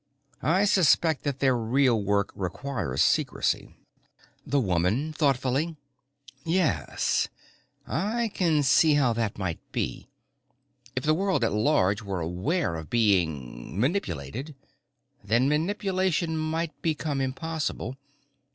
I suspect that their real work requires secrecy." The woman, thoughtfully: "Y y yes, I can see how that might be. If the world at large were aware of being manipulated then manipulation might become impossible.